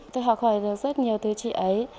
tôi học hỏi được rất nhiều từ chị ấy